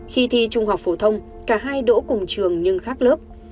khi thi trung học phổ thông cả hai đỗ cùng trường nhưng khác lớp